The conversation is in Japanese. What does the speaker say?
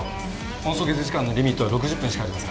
温阻血時間のリミットは６０分しかありません。